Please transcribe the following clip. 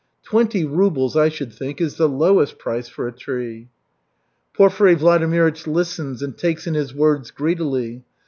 Twenty rubles, I should think, is the lowest price for a tree." Porfiry Vladimirych listens and takes in his words greedily.